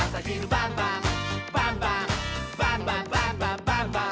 「バンバンバンバンバンバン！」